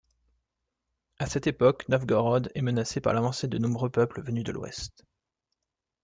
À cette époque, Novgorod est menacée par l'avancée de nombreux peuples venus de l'ouest.